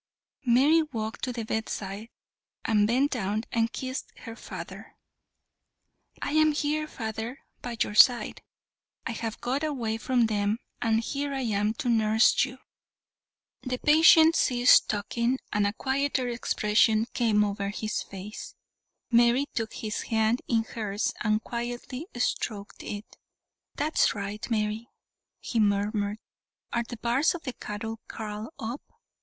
Mary walked to the bedside and bent down and kissed her father. "I am here, father, by your side. I have got away from them, and here I am to nurse you." The patient ceased talking and a quieter expression came over his face. Mary took his hand in hers and quietly stroked it. "That's right, Mary," he murmured; "are the bars of the cattle kraal up?